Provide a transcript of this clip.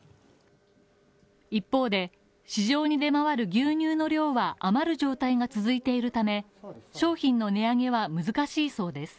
一方で、市場に出回る牛乳の量は余る状態が続いているため商品の値上げは難しいそうです。